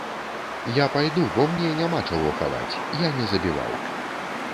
Я пайду, бо мне няма чаго хаваць, я не забіваў.